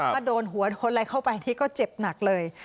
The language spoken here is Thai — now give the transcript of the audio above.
ถ้าโดนหัวโดนอะไรเข้าไปที่ก็เจ็บหนักเลย